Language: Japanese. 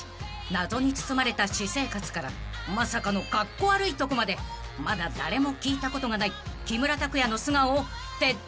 ［謎に包まれた私生活からまさかのカッコ悪いとこまでまだ誰も聞いたことがない木村拓哉の素顔を徹底取材］